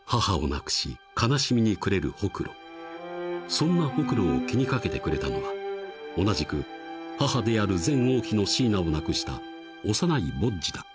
［そんなホクロを気に掛けてくれたのは同じく母である前王妃のシーナを亡くした幼いボッジだった］